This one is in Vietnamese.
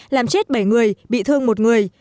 làm chết bảy người bị thương một người